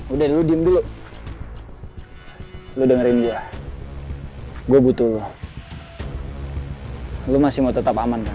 udah lu diem dulu lu dengerin gua gua butuh lu masih mau tetap aman kan